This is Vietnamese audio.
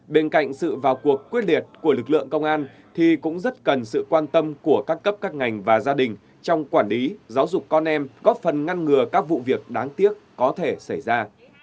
bên cạnh sự vào cuộc quyết liệt của lực lượng công an thì cũng rất cần sự quan tâm của các cấp các ngành và gia đình trong quản lý giáo dục con em góp phần ngăn ngừa các vụ việc đáng tiếc có thể xảy ra